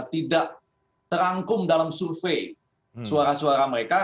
tidak terangkum dalam survei suara suara mereka